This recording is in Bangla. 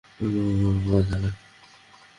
তোর মা-বাবা জানে?